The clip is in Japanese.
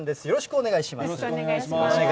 お願いします。